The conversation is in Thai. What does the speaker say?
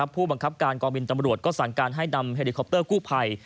ผู้บังคับการกองบินตำรวจก็สั่งการให้นำเฮลิคอปเตอร์กู้ภัย